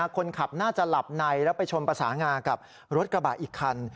คนขับน่าจะหลับในแล้วไปชนประสานงากับรถกระบะอีกคัน